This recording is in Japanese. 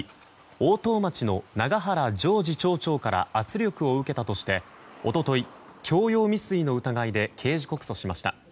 大任町の永原譲二町長から圧力を受けたとして一昨日、強要未遂の疑いで刑事告訴しました。